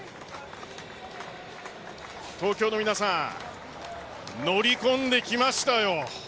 東京の皆さん乗り込んできましたよ。